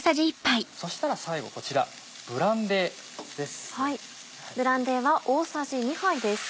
そしたら最後こちらブランデーです。